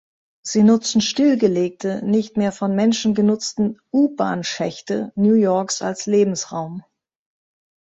Sie nutzen stillgelegte, nicht mehr von Menschen genutzten U-Bahnschächte New Yorks als Lebensraum.